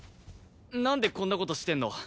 なんでこんな事してんの？